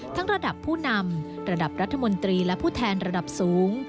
ระดับผู้นำระดับรัฐมนตรีและผู้แทนระดับสูง